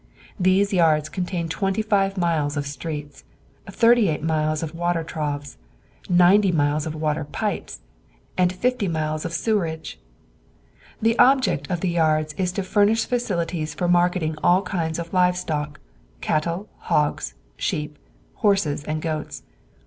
These yards contain 25 miles of streets, 38 miles of water troughs, 90 miles of water pipes, and 50 miles of sewerage. The object of the yards is to furnish facilities for marketing all kinds of live stock—cattle, hogs, sheep, horses and goats.